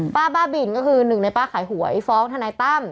บ้าบินก็คือหนึ่งในป้าขายหวยฟ้องทนายตั้ม